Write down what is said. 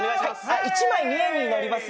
１枚２円になります。